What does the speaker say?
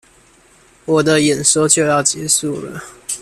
我的演說就要結束了